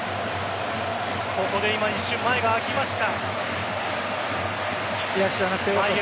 ここで今一瞬、前が空きました。